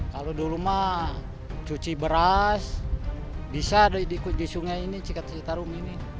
kalau dulu memang cuci beras bisa di sungai ini citarum ini